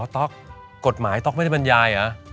ต๊อกกฎหมายต๊อกไม่ได้บรรยายเหรอ